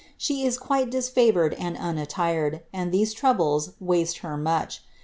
She is quite disfavoured and unaitired, and tbew waste her much.